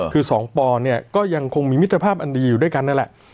คือ๒ปอเนี่ยก็ยังคงมีมิตรภาพอันดีอยู่ด้วยกันนั่นแหละ